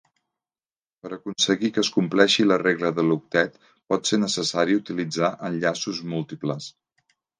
Per aconseguir que es compleixi la regla de l'octet pot ser necessari utilitzar enllaços múltiples.